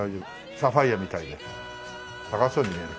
サファイアみたいで高そうに見える。